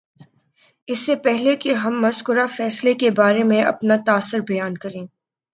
اس سے پہلے کہ ہم مذکورہ فیصلے کے بارے میں اپنا تاثر بیان کریں